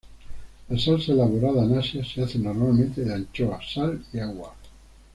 La salsa elaborada en Asia se hace normalmente de anchoas, sal y agua.